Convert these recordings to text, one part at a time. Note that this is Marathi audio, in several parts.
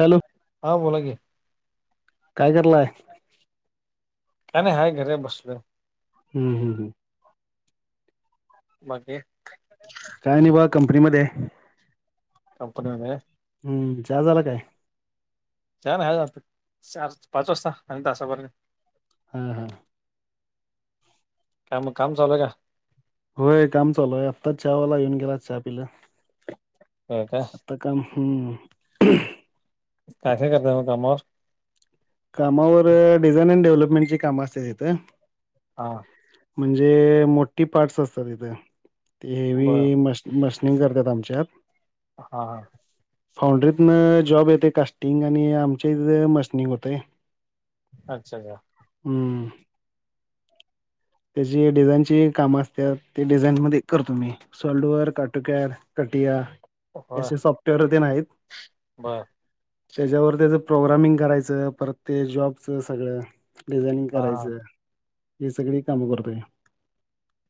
हॅलो. हां बोला की. काय करलाय? काय नाही. हाय घर बसलोय. हम्म हम्म हम्म. बाकी. काय नि बा. कंपनीमध्येय. कंपनी मध्ये. हम्म चहा झाला काय? चार पाच वाजता आणि तासाभरनी. हा, हा. काय मग, काम चालूय का? होय काम चालूये. आताच चहावाला येऊन गेला. चहा पिला. होय का? आता काम ह [unintelligible] काॅसेे करत म कामवर [unintelligible] कामावर. डिझाईन अँड डेव्हलपमेंटची काम असतात तिथं. हा. म्हणजे मोठी पार्टस असतात तिथ. बर हेवी मश मसनींग करतात. आमच्यात. हा हा. फाउंड्रीतन जॉब येते. कास्टिंग आणि आमच्या इथ मशिनिंग होते. ते. अच्छा का? हम्म. त्याची डिझाईनची कामं असतात. ते डिझाईनमध्ये करतो मी. सलडवअर, काटोकॅर, कटिया. होय असे सॉफ्टवेअर तेन आहेत. बर त्याच्यावर त्याच प्रोग्रामिंग करायचं. परत ते जॉबच सगळं. डिझाइनिंग हा हा करायचं. हे सगळी काम करतो मी.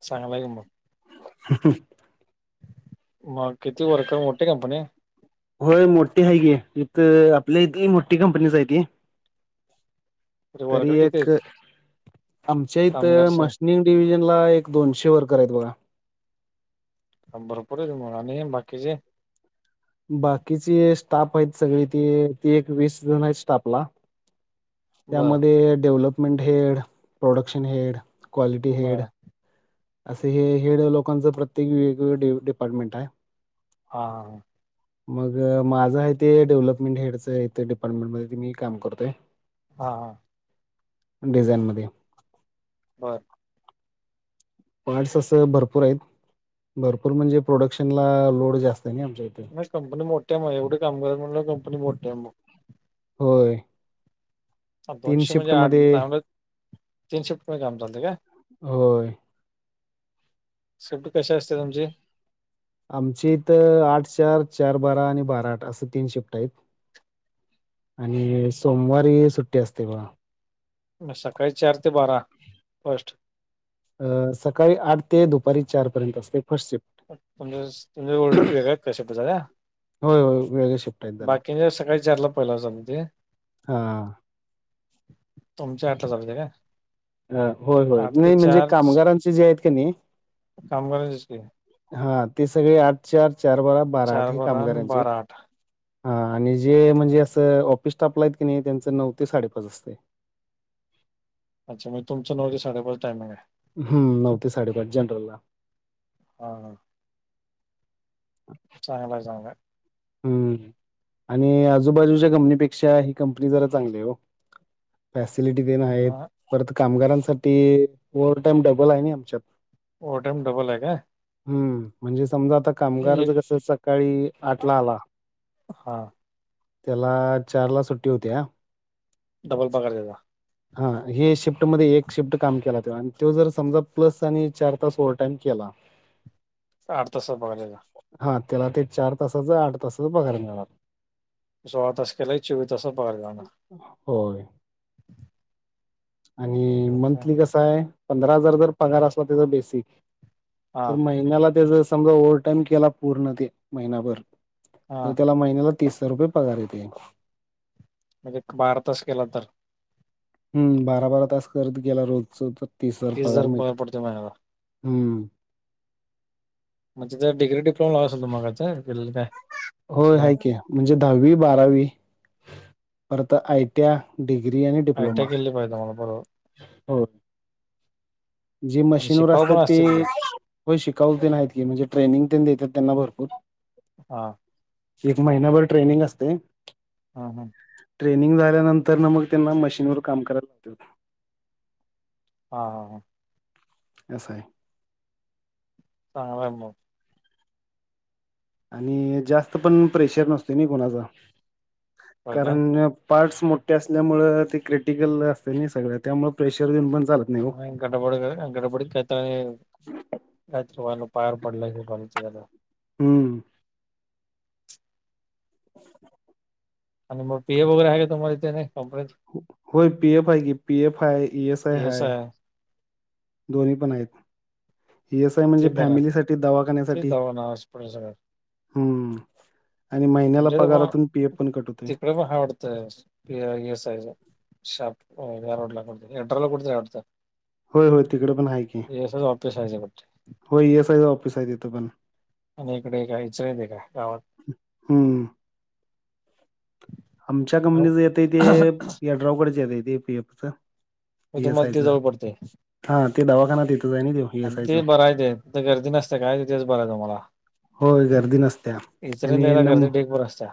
चांगलाय की मग. [unintelligible] मग किती वर्कर. मोठी कंपनीये. होय मोठी हाय की. इथ आपल्या इथे मोठी कंपनीच आहे ती. तरी वर्कर किती आहेत एक. आमच्या इथ कामगार सगळे मशनी डिव्हिजन ला. एक दोनशे वर्कर आहेत बघा. भरपूरे की म. आणि बाकीचे. बाकीची स्टाफ आहेत. सगळी ती. ती एक वीस जण आहेत स्टाफला. बर त्यामध्ये, development head. Production head. Quality बर हेड. असे हेड लोकांचं. प्रत्येक वेगवेगळे डिपार्टमेंट आहे. हा हा ह. ह [inaudible] मग माझं आहे ते. डेव्हलपमेंट हेडच आहे. डिपार्टमेंट मध्ये. मी काम करतोय. हा हा. डिझानमध्ये. बरं. पार्ट्स असं भरपूर आहेत. भरपूर म्हणजे. प्रोडक्शन ला लोड जास्तय नी. आमच्या इथे. कंपनी मोठी आहे म एवढे काम करायच म्हणजे कंपनी मोठ्या आ म होय तीन दोनशे म्हणजे आठ शिफ्टमध्ये [inaudible] तीन शिफ्ट म्हण काम चालते का? होय शिफ्ट कशी असत्या तुमची? आमची इथ आठ चार चार बारा आणि बारा आठ असं तीन शिफ्ट आहीत आणि सोमवारी सुट्टी असते बघा म सकाळी चार ते बारा फस्ट अ सकाळी आठ ते दुपारी चार पर्यंत असते फर्स्ट शिप्ट तुमच्या वेगळया आहेत काय शिफ्ट सगळ्या होय होय वेगळे शिफ्ट आहेत जरा बाकीच्या सकाळी चारला पहिला चालू होते हां तुमची आठला चालू होत्या काय अ होय होय आठ ते नाही म्हणजे कामगारांचे जे आहेत का नाही का [inaudible] हा ते सगळे आठ चार चार बारा बारा आठ चार हे आणि कामगारांचे बारा आहेत आठ हा आणि जे म्हणजे असं ऑफिस स्टाफला आहेत की नाही त्यांचं नऊ ते साडेपाच असते अच्छा म्णजे तुमचं न ते साडेपाच टामिंग आहे हम्म नऊ ते साडेपाच जनरल ला हा चांगल हाय चांगल हाय हम्म आणि आजूबाजूच्या कंपनीपेक्षा ही कंपनी जरा चांगली आहे हो फॅसिलिटी तेन आहेत मग परत कामगारांसाठी ओवर्ह टाईम डबल आहे नी आमच्यात ओवर टाइम डबल आहे काय हम्म म्हणजे समजा आता कामगार एक कसं सकाळी आठला आला हा त्येला चार ला सुट्टी होत्या डबल पगार देतात. हा हे शिफ्टमध्ये एक शिफ्ट काम केला तर आणि तो जर समजा प्लस आणि चार तास ओव्हर टाईम केला आठ तासाचा पगार देतात. हा त्याला ते चार तासाचं आठ तासाचं पगारला मिळणार सोळा तास केला की चोवीस तासाचा पगार मिळणार. होय आणि अच्छा. मंथली कस आहे पंधरा हजार जर पगार असला त्याचा बेसिक हा तर महि त्याला तेज समजा ओव्हर टाईम केला पुर्ण ते महिनाभर हा तर त्याला महिनाभर तीस रुपये पगार येतय. म्हणजे एक बारा तास केला तर हम्म बारा बारा तास करत गेला रोजच तर तीस हजार पगार मिळतोय हम्म म्हणजे त्याचा डिग्री डिप्लोमा लाव [inaudible] हो आहेक आहे म्हणजे दहावी, बारावी परत आय टी या, डिग्री आणि डिप्लोमा [inaudible] परवा हो जे आणि मशीनवर शिकाऊ असतात पण असतील की ते शिकाऊ आहीत की, म्हणजे ट्रेनिंग देतात त्यांना भरपूर हा एक महिनाभर ट्रेनिंग असतय. हा हा ट्रेनिंग झाल्यानंतर ना मग त्यांना मशीनवर काम करायला लागतं. हा हा हा असं हाय. चांगल हाय मग आणि जास्त पण प्रेशर नसतोय नी कुणाचा, होय काय कारण पार्ट्स मोठे असल्यामुळं ते क्रिटिकल असतय नी सगळ त्यामुळं प्रेशर घेऊन पण चालत नाही ओ. [unintelligible] गडबड ग गडबडीत काय तर आणि काय तर व्हायला नको. पायावर पडलाय [unintelligible] हम्म [inaudible] आणि मग पी एफ वगैेरे हाय काय तुम्हाला तिथं आणि कंपनीत? हो-होय पी एफ हाय की, पीएफ हाय इ एस आय पी हाय. आहे दोन्ही पण आहेत. इ एस आय म्हणजे ते बरं आहे फॅमिलीसाठी ते दवाखान्यासाठी दवाखाना हॉस्पिटल सगळं हम्म आणि महिन्याला पगारातून पी एफ पण कट होतोय. महाा [unintelligible] तस पी ई एस आयचा शाप [unintelligible] रोडला कुठतर एट्रल [unintelligible] कडत अडत होय होय, तिकड पण आहे की ऑफिस आहे कुठे होय ई एस आय ऑफिस आहे तिथं पण. आणि इकडे एक आईच वेगळ आहे गावात. हम्म. आमच्या कंपनीचं येतय, ते यड्राव कडच येतय ते पी एफ च. मग इ एस तुम्हाला आय ते च जवळ पडते हा ते दवाखाना तिथंच हाय न्हव तो. आणि ते बराय ते तिथं गर्दी नसत्या काय तिथच तुम्हाला. होय गर्दी नसत्या इचलकरंजीला आणि यायला नं- गर्दी ढीगभर असत्या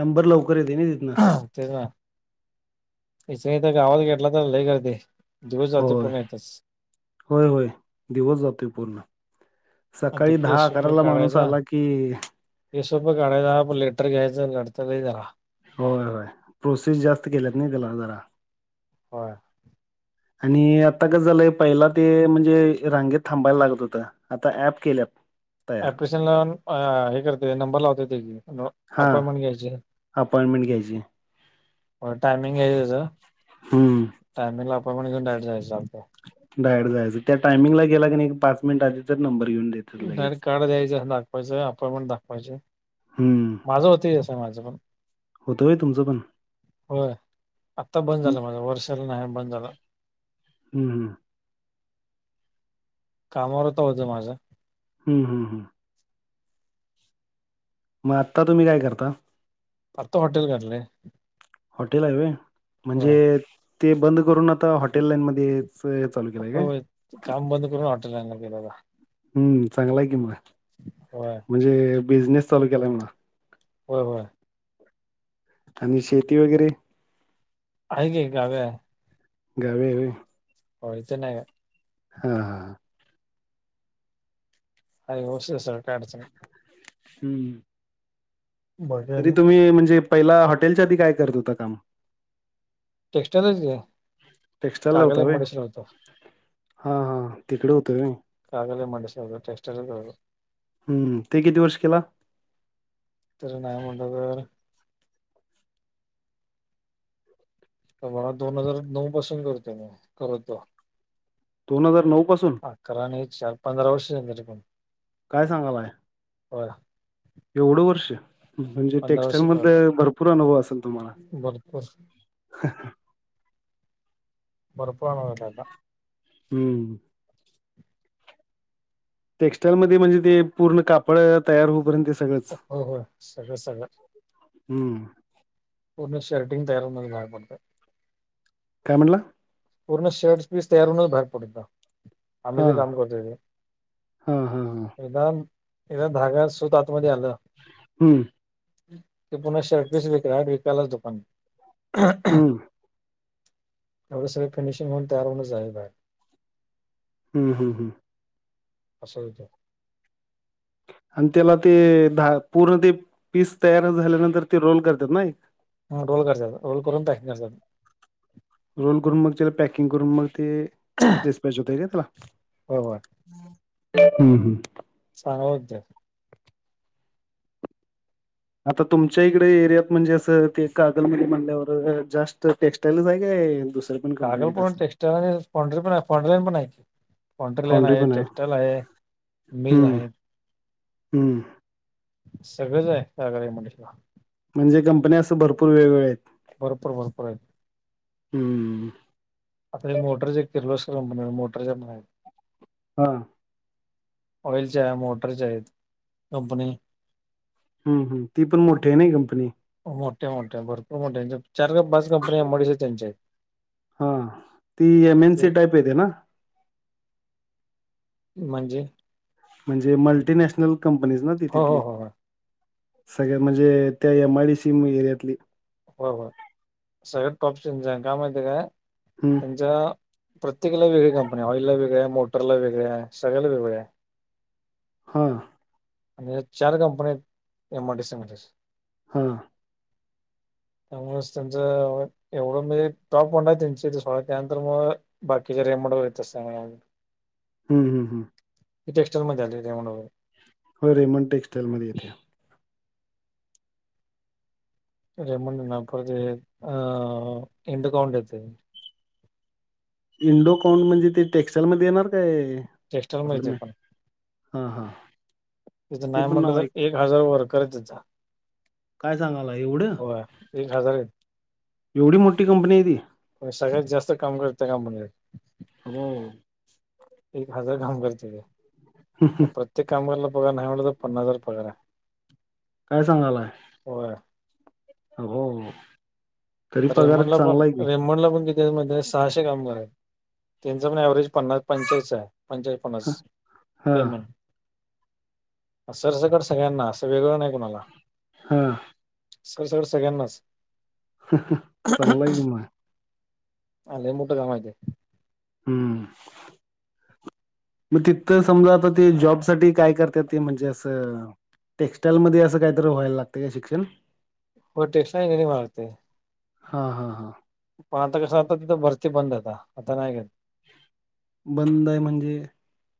नंबर लवकर येते ना तिथनं हा [unintelligible] तेच ना. इचल्या इथ गावात घेतला तर लई गर्दी हाय. होय. होय-होय दिवस जातोय पूर्ण आणि ते सकाळी दहा केस अकराला माणूस आला की हिशोब बी काढायचा, - लेटर घ्यायच लडतर लई तेला. होय -होय. प्रोसेस जास्त केल्यात नाही त्याला जरा. होय. आणि आता कस झालंय पहिला ते म्हणजे रांगेत थांबायला लागत होत. आता ऍप केल्यात. तयार अप्लिरेशन लावून हे करतय नंबर लावतेतय की नव्ह अपॉइंटमेंट घ्यायची. मेंट घ्यायची. होय टायमिंग हाय तेच, हम्म टायमिंगला आपॉइमेंट घेऊन डायरेक्ट जायचं आपल्या डायरेक्ट जायचं, त्या टाइमिंगला गेला कणी एक पाच मिनिट आधी तर नंबर येऊन डायरेक्ट कार्ड द्यायच, दाखवायचं अपॉइंटमेंट दाखवायची, हम्म माझं होत ए त माझ पण - होत होय तुमचं पण? होय आत्ता बंद हम्म झालं माझं वर्ष झाल नाही बंद झालं. हम्म -हम्म कामावरहूतो होतं माझं हम्म -हम्म- हम्म मग आत्ता तुम्ही काय करता? आता हॉटेल घाटलय. हॉटेल हाय व्हय, म्हणजे ते बंद करून आता हॉटेल लाईन म तेच चालू केलाय काय? ते काम बंद करून हॉटेल लाईन ला गेलो आता. हम्म चांगलाय कि मग, होय म्हणजे बिझनेस चालू केलाय म्हणा. होय- होय आणि शेती वेगैरे? हाय की गावी हाय. गावी हाय व्हय. होय इथ नाहीये हा- हा हाय व्यवस्थित हाय सगळ काय अडचण नाही. हम्म. बघ तरी तुम्ही म्हणजे पहिला हॉटेलच्या आधी काय करत होता काम. टेक्स्टाइलच की टेक्स्टाईलला कागल होता एम व्हय? आय डी सी ला होतो. हा हा तिकड होता व्हय. Kagal M I D C ला टेक्सटाइल करत होतो. हम्म हम ते किती वर्ष केला. तरी नाही म्हंटला तर. आता बघा दोन हजार नऊ पासून करतोय मी कमीत कमी. दोन हजार नऊ पासून. अकरा आणि हे चार पंधरा वर्ष झाली तरी पण. काय सांगालाय. होय. एवढं वर्ष. म्हणजे पंधरा वर्ष टेक्स्टाईल करतो मधन भरपूर अनुभव असल तुम्हाला. भरपूर भरपूर अनुभव आहे आता. हम्म. टेक्स्टाईल मध्ये म्हणजे ते पूर्ण कापड तयार होऊपर्यंतच. होय होय सगळं सगळं. हम्म. पूर्ण शर्टटिंग तयार होऊनच बाहेर पडतय. काय म्हणला. पूर्ण शर्टस पीस तयार होउनच बाहेर पडत आम्ही जे काम करतोय ते. हा हा हा. एकदा एकदा धागा सुत आतमध्ये आलं. हम्म. ते पुन्हा शर्टपीस विका विकायलाच दुकानात. हं, एवढ सगळ फिनिशिंग होऊन तयार होऊनच जाते बाहेर. हम् हम् हम. अस होतय. आणि त्याला ते धा पूर्ण ते पीस तयार झाल्यानंतर ते रोल करतात नाय. ह रोल करत्यात रोल करून पॅकिंग करत्यात. रोल करून मग त्याला पॅकिंग करून मग ते डीसपॅच होतय काय त्याला. बरोबर हम्म हम्म. चांगलं ओळख त्यात. आता तुमच्या इकडे एरियात म्हणजे असं ते कागलमध्ये म्हंटल्यावर जास्त टेक्स्टाईलच हाय काय दुसऱ्या. पण कंपनी कागल आहेत पूर्ण असं? टेक्स्टाईल आणि फॉंड पण आहे फॅन्ड्री लाईन पण हाय आहे. फौंड्री लाईन फाउंड्री हाय पण आहे? टेक्स्टाइल हाय मिल हाय. हम्. सगळंच हाय Kagal M I D C ला. म्हणजे कंपन्या असं भरपूर वेगवेगळया हायत. भरपूर भरपूर हायत. हम्म हम्म. आता ह्या मोटरची किर्लोस्कर कंपणी हाय मोटरच्या हाईत. हां. ऑइल च्या हाय मोटरच्या हायीत कंपनी. हम् हम ती पण मोठी आहे नाही कंपनी. मोठे मोठे भरपूर मोठे चार पाच कंपनी एमआयडीसी यांच्या आहेत. हा ती ते एनसी टाईप येते ना. म्हणजे. म्हणजे मल्टीनॅशनल कंपनीच ना ती हो हो तिथली. हो सगळ्या म्हणजे त्या एमआयडीसी एरियातली. होय होय सगळ्या टॉपची [unintelligible] काय माहिती आहे काय. हम्म. त्यांच्या प्रत्येकाला वेगळी कंपनी ऑइलला वेगळी हाय, मोटरला वेगळी हाय सगळ्याला वेगवेगळ्या हाय. हा आणि ह्यात चार कंपन्या हैत एमआयडीसी मध्येच. हा त्यामुळे त्यांचं एवढं म्हजे टॉप ब्रँड आहे त्यांच सोडा त्यानंतर मग बाकीच्या रेमंड वगैरे तस हाय हम्म हम्म हम्म. ते टेक्स्टाईल मधे आली रेमंड वगैरे. होय रेमन टेक्स्टाईल मध्ये येत्या. रेमंड ना परत एक अ इंडोकाउंट येतंय. इंडोकॉंन म्हणजे ते टेक्स्टाइल मध्ये येणार काय टेक्स्टाईल मध्ये आपल येते पण हां हां तिथं नाही म्हणलं तर एक हजार वर्कर आहेत तिथं. काय सांगालाय एवढ होय एक हजार आहेत एवढी मोठी कंपनी आहे ती. पण सगळ्यात जास्त काम करत्या कंपनीत ही. हो. एक हजार काम करतेे मग प्रत्येक कामगार ला पगार नाही म्हटत तर पन्नास हजार पगार हाय. काय सांगालाय. होय. अबबबब. रेमंडला पण रेममंडला पण किती हैत माहिती हाय सहाशे कामगार आहेत त्यांच पण अँवरेज पन्नास पंचेचाळीसच हाय पंचेचाळीस पन्नास हा पेमेंट. सर सकट सगळ्यांना असं वेगळं नाही कुणाला. हा. सरसकट सगळ्यांनाच. अहहह चांगलं हाय की मग. अ लई मोठ काम हाय ते. हम्म. मग तिथं समजा आता ते जॉब साठी काय करत्यात ते म्हणजे असं टेक्स्टाईल मध्ये असं काहीतरी व्हायला लागतंय का शिक्षण. होय टेक्सटाईल इंजीनियरिंग व्हाय लागतंय. हा हा हा. पण आता कसं आता तिथं भरती बंद हाय आता आता नाही घेत. बंद आहे म्हणजे.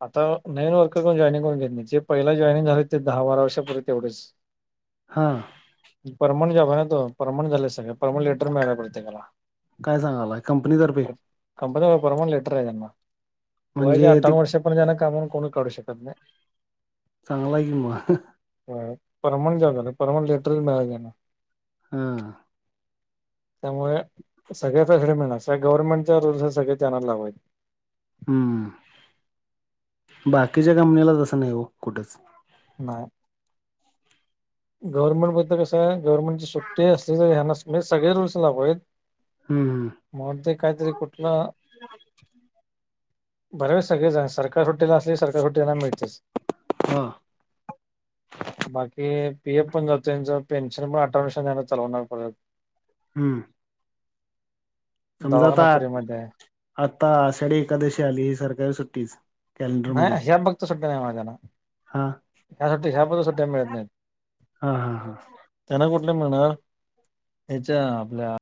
आता नवीन वर्कर कोण जॉइनिंग करून घेत नाही जे पहिला जॉईनिंग झाले ते दहा बारा वर्षापूर्वी तेवढेच. हा. परमनंट जॉब आहे ना तो परमनंट झाले सगळे परमनंट लेटर मिळाला प्रत्येकाला. काय सांगालाय कंपनीतर्फे. कंपनीमधे परमनंट लेटर आहे त्यांना वयाच्या म्हणजे ते अठ्ठावन्ना वर्षा म त्यांना कामावरून कोणच काढू शकत नाही. चांगलं हाय की म. होय परमनंट जॉब हाय ना परमनंट लेटर मिळालायच त्यांना. हा. त्यामुळे सगळ्या फॅसिलिटी मिळणार स गव्हर्नमेंटच्या रूल्स सगळे त्यांनाच लागू हैत. हम्म. बाकीच्या कंपनीला तसं नाही हो कुठंच. नाही [unintelligible] गव्हर्मंट बद्द कंस गवर्मेंटची सुट्टी असते सगळ्यांना सु मी सगळे रूल्स ला होयत. हम्म हम्म म्हणून ते काहीतरी कुठन बरावे सगळे सरका ते सुट्टी नसली सरकार सुट्टी यांना मिळतेच हा बाकी पी एफ पण जातो त्यांच पेनशन पण अठरा वर्ष न्यान चावणार परत. हम्म. समजा दवाखाना आता फ्रीमध्ये आहे आता आषाढी एकादशी आली ही सरकारी सुट्टीच कॅलेंडरमध्ये नाही ह्या भक्त सुट्ट नाही माजान. हा ह्यात ह्या पण सुट्टया मिळत नाहीत. हा हा हा त्यांना कुठल्या मिळणार ह्यच्या आपल्या